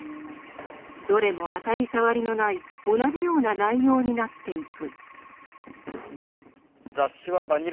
どれも当たり障りのない同じような内容になっていく。